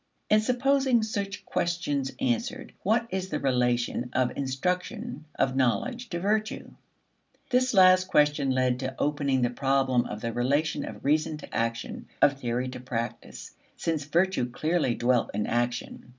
And supposing such questions answered, what is the relation of instruction, of knowledge, to virtue? This last question led to opening the problem of the relation of reason to action, of theory to practice, since virtue clearly dwelt in action.